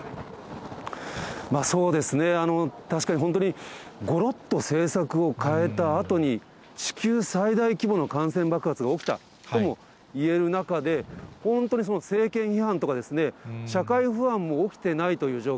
そうですね、確かに、本当にごろっと政策を変えたあとに、地球最大規模の感染爆発が起きたともいえる中で、本当に政権批判とか社会不安も起きてないという状況。